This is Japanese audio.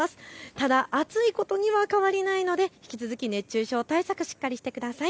ただ暑いことには変わりないので引き続き熱中症対策、しっかりしてください。